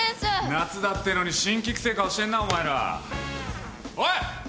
夏だってのにしんきくせえ顔してんなお前ら。おい！